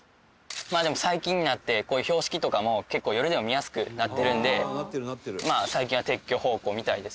まあでも最近になってこういう標識とかも結構夜でも見やすくなってるんで最近は撤去方向みたいですね。